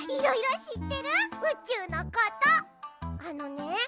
あのね